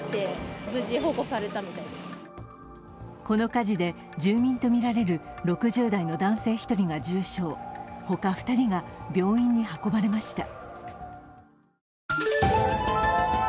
この火事で住民とみられる６０代の男性１人が重傷他２人が病院に運ばれました。